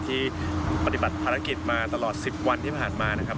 ปฏิบัติภารกิจมาตลอด๑๐วันที่ผ่านมานะครับ